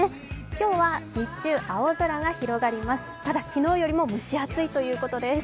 今日は日中、青空が広がります。